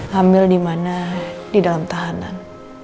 hamil dimana di dalam tahanan